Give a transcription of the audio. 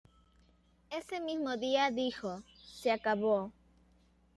Ese mismo día dijo "Se acabó.